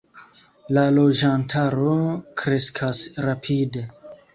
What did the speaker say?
La loĝantaro kreskas rapide.